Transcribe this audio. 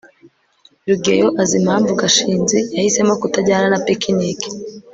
rugeyo azi impamvu gashinzi yahisemo kutajyana na picnic